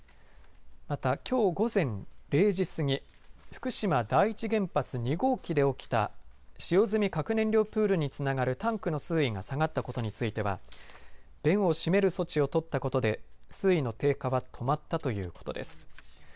また、きょう午前０時過ぎ福島第一原発２号機で起きた使用済み核燃料プールにつながるタンクの水位が下がったことについては弁を閉める措置を取ったことで水位の低下は止まったということです。